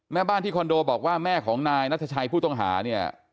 แม่บ้านที่คอนโดบอกว่าแม่ของนายนัทชัยผู้ต้องหาเนี่ย